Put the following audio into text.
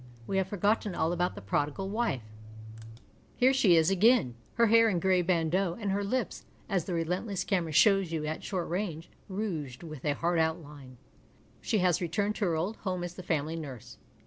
We have forgotten all about the prodigal wife. But here she 224 THE MOVIES is again, her hair in grey bandeaux and her hps, as the relentless camera shows you at short range, rouged with a hard outline. She has returned to her old home as the family nurse.